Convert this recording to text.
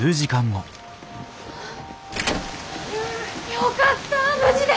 よかった無事で。